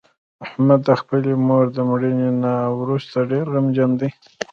احمد د خپلې مور د مړینې نه ورسته ډېر غمجن دی.